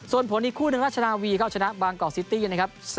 ส่วนผลอีกคู่หนึ่งราชนาวีก็ชนะบางกอกซิตี้นะครับ